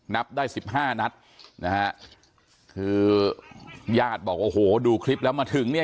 นับได้สิบห้านัดนะฮะคือญาติบอกโอ้โหดูคลิปแล้วมาถึงเนี่ย